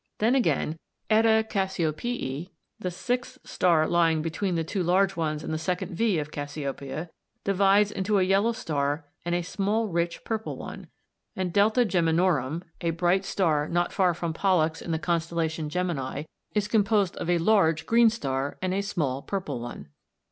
Then again, [Greek: ê] Cassiopeæ, the sixth star lying between the two large ones in the second V of Cassiopeia, divides into a yellow star and a small rich purple one, and [Greek: d] Geminorum, a bright star not far from Pollux in the constellation Gemini, is composed of a large green star and a small purple one.